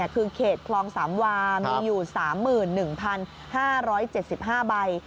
คือเขตคลองสามวามีอยู่๓๑๕๗๕ใบ